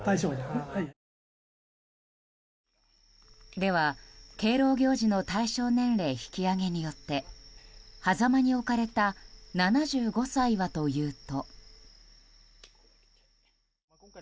では敬老行事の対象年齢引き上げによってはざまに置かれた７５歳はというと。